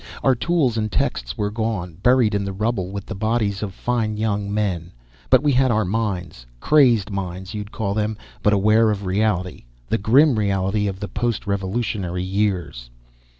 Our tools and texts were gone, buried in the rubble with the bodies of fine young men. But we had our minds. Crazed minds, you'd call them but aware of reality. The grim reality of the post revolutionary years.